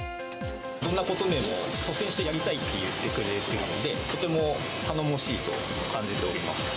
どんなことでも率先してやりたいって言ってくれるので、とても頼もしいと感じております。